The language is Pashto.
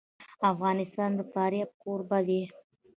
افغانستان د فاریاب کوربه دی.